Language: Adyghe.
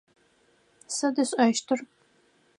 Сыд ышӏэщтыр?